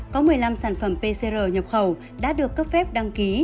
có một mươi năm sản phẩm pcr nhập khẩu đã được cấp phép đăng ký